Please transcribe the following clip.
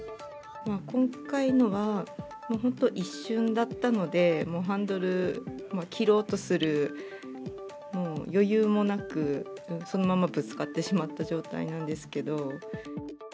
今回のは、本当、一瞬だったので、もうハンドル切ろうとするもう余裕もなく、そのままぶつかってしまった状態なんですけど。